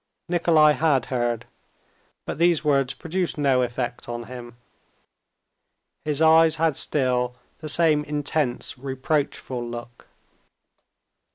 Nikolay had heard; but these words produced no effect on him. His eyes had still the same intense, reproachful look.